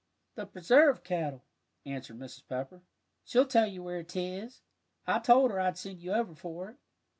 "The preserve kettle," answered Mrs. Pepper. "She'll tell you where 'tis. I told her I'd send you over for it.